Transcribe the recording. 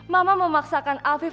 mama memaksakan afif